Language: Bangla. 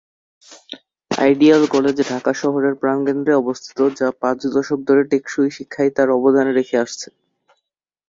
আইডিয়াল কলেজ ঢাকা শহরের প্রাণকেন্দ্রে অবস্থিত যা পাঁচ দশক ধরে টেকসই শিক্ষায় তার অবদান রেখে আসছে।